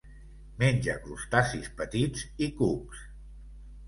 Menja crustacis petits i cucs.